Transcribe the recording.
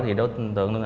thì đối tượng